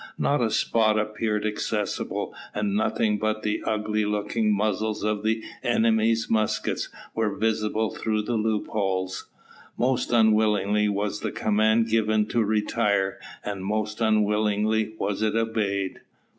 Not a spot appeared accessible, and nothing but the ugly looking muzzles of the enemy's muskets were visible through the loopholes. Most unwillingly was the command given to retire, and most unwillingly was it obeyed.